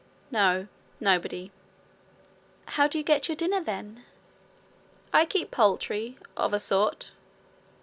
'No; nobody.' 'How do you get your dinner, then?' 'I keep poultry of a sort.'